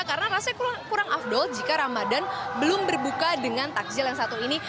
karena rasanya kurang afdol jika ramadan belum berbuka dengan takjil yang satu ini